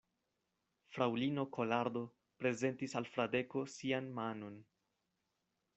Fraŭlino Kolardo prezentis al Fradeko sian manon.